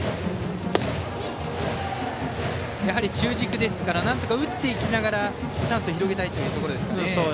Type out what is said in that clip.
やはり中軸ですからなんとか打っていきながらチャンスを広げたいところですかね。